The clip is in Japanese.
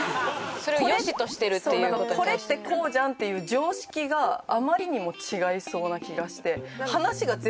これってこうじゃんっていう常識があまりにも違いそうな気がして。